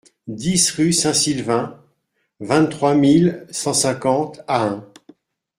dix rue Saint-Silvain, vingt-trois mille cent cinquante Ahun